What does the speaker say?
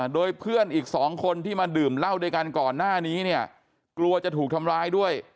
โดยเพื่อนอีก๒คนที่มาดื่มเหล้าด้วยกันก่อนหน้านี้เนี่ย